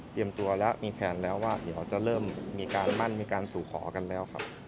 ตัวแล้วมีแผนแล้วว่าเดี๋ยวจะเริ่มมีการมั่นมีการสู่ขอกันแล้วครับ